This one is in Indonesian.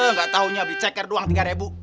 nggak taunya beli ceker doang tiga ribu